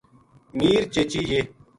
میر چیچی یہ